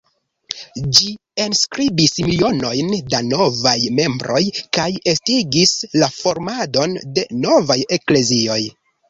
Ĝi enskribis milionojn da novaj membroj, kaj estigis la formadon de novaj eklezioj.